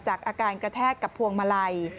อาการกระแทกกับพวงมาลัย